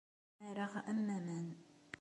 Mmareɣ am waman.